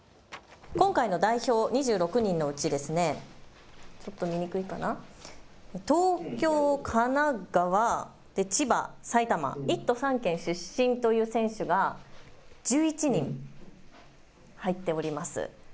今回の代表２６人のうち、東京、神奈川、千葉、埼玉１都３県出身という選手が１１人入っております。